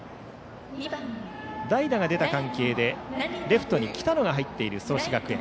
代打が出た関係でレフトに北野が入っている創志学園。